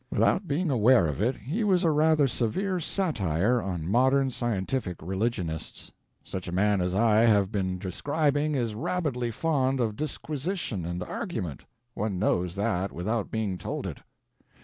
Without being aware of it, he was a rather severe satire on modern scientific religionists. Such a man as I have been describing is rabidly fond of disquisition and argument; one knows that without being told it.